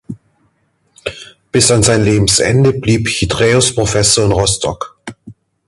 Bis an sein Lebensende blieb Chyträus Professor in Rostock.